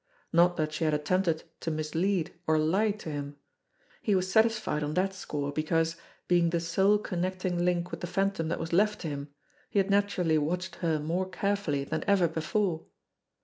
Not that she had at tempted to mislead or lie to him; he was satisfied on that score because, being the sole connecting link with the Phan tom that was left to him, he had naturally watched her more carefully than ever before.